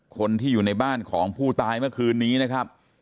คนที่อยู่ในบ้านของผู้ตายเมื่อคืนนี้นะครับ